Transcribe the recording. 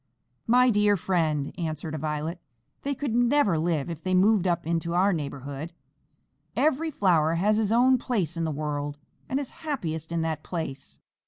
"My dear friend," answered a Violet, "they could never live if they moved up into our neighborhood. Every flower has his own place in this world, and is happiest in that place.